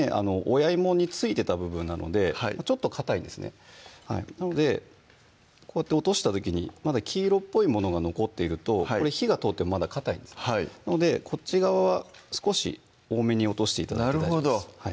親芋に付いてた部分なのでちょっとかたいんですねなのでこうやって落とした時にまだ黄色いっぽいものが残っているとこれ火が通ってもまだかたいんですこっち側は少し多めに落として頂いて大丈夫です